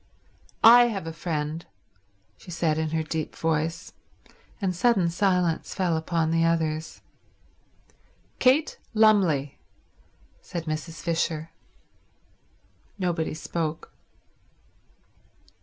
"I have a friend," she said in her deep voice; and sudden silence fell upon the others. "Kate Lumley," said Mrs. Fisher. Nobody spoke.